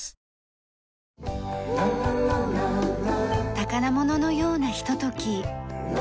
宝物のようなひととき。